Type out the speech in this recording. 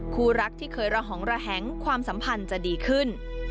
คู่รักที่เคยระหองระแหงความสัมพันธ์จะดีขึ้น